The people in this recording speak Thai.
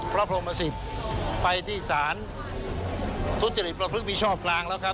พระพรมศิษย์ไปที่ศาลทุธิฤทธิ์ประภึกวิชอบกลางแล้วครับ